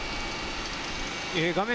画面